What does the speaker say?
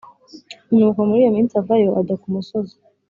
nuko muri iyo minsi avayo ajya ku musozi